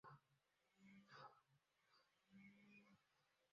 তার প্রধান শিষ্য ছিলেন নাম-ম্খা'-দ্পাল-ব্জাং নামক ত্রয়োদশ ঙ্গোর-ছেন।